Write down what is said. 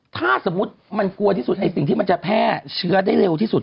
ถ้าสมมุติมันกลัวที่สุดไอ้สิ่งที่มันจะแพร่เชื้อได้เร็วที่สุด